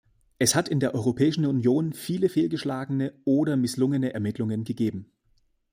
Es hat in der Europäischen Union viele fehlgeschlagene oder misslungene Ermittlungen gegeben.